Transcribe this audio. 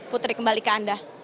putri kembali ke anda